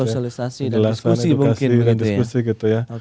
sosialisasi dan diskusi mungkin